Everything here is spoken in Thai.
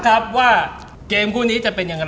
ก็ยังมีสีสัน